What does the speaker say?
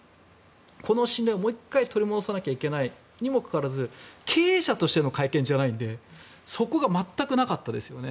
この信頼をもう１回取り戻さなきゃいけないにもかかわらず経営者としての会見じゃないんでそこが全くなかったですよね。